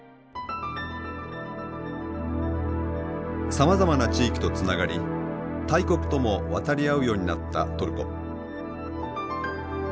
さまざまな地域とつながり大国とも渡り合うようになったトルコ。